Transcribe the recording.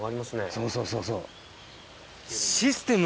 そうそうそうそう。